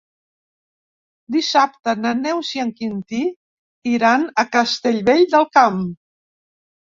Dissabte na Neus i en Quintí iran a Castellvell del Camp.